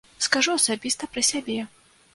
Скажу асабіста пра сябе.